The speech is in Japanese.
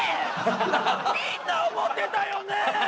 みんな思ってたよね！